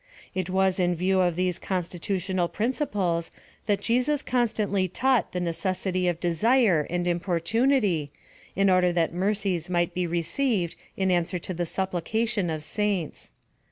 It was in view of these con stitutional principles that Jesus constantly taught the necessity of desire and importunity, in order that mercies might be received in answer to the suppli cation of saints.